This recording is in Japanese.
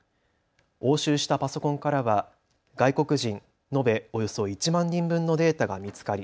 押収したパソコンからは外国人、延べおよそ１万人分のデータが見つかり